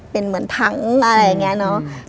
เป็นเหมือนทั้งอะไรอย่างนี้เนอะ